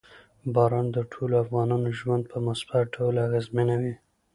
باران د ټولو افغانانو ژوند په مثبت ډول اغېزمنوي.